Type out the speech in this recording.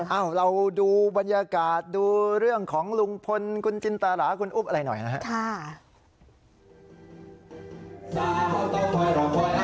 เราดูบรรยากาศดูเรื่องของลุงพลคุณจินตราคุณอุ๊บอะไรหน่อยนะครับ